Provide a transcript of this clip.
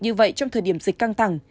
như vậy trong thời điểm dịch căng thẳng